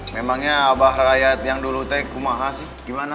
memangnya abah rakyat yang dulu teh kumaha sih gimana